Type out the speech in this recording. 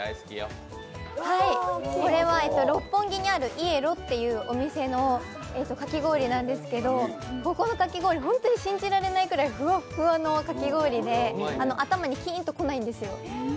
これは六本木にあるイエロというお店のかき氷なんですけどここのかき氷、信じられないぐらいフワフワのかき氷で頭にキーンと来ないんですよ。